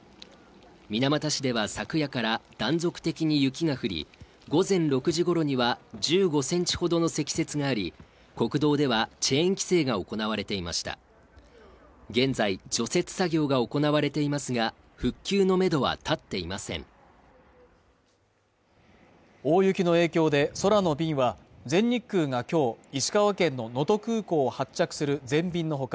水俣市では昨夜から断続的に雪が降り午前６時ごろには１５ｃｍほどの積雪があり国道ではチェーン規制が行われていました現在除雪作業が行われていますが復旧のめどは立っていません大雪の影響で空の便は全日空がきょう石川県の能登空港を発着する全便の他